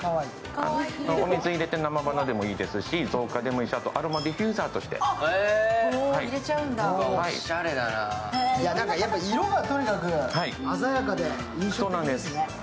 お水を入れてそのままでもいいですし造花でもいいですし、アロマディフューザーとしても。色がとにかく鮮やかで印象的ですね。